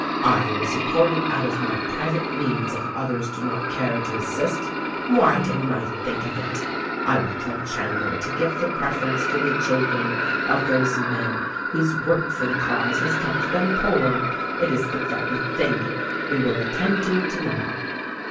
"I will support it out of my private means if others do not care to assist. Why didn't I think of it ! I will tell Chandler to give the preference to the children of those men whose work for the cause has kept them poor. It is the very thing ! We will attend to it tomorrow."